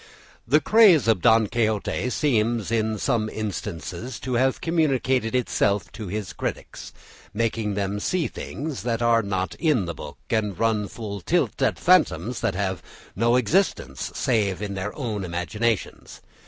The craze of Don Quixote seems, in some instances, to have communicated itself to his critics, making them see things that are not in the book and run full tilt at phantoms that have no existence save in their own imaginations.